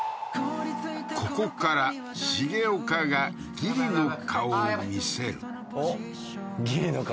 ここから重岡がギリの顔を見せるおっギリの顔